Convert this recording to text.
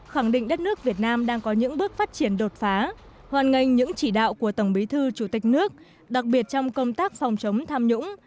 khẳng định đất nước việt nam đang có những bước phát triển đột phá hoàn ngành những chỉ đạo của tổng bí thư chủ tịch nước đặc biệt trong công tác phòng chống tham nhũng